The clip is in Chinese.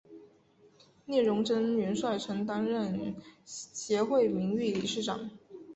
聂荣臻元帅曾担任协会名誉理事长。